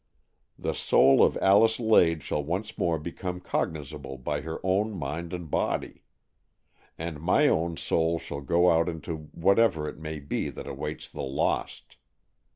The soul of Alice Lade shall once more become cognizable by her own mind and body. And my own soul shall go out into whatever it may be that awaits the lost.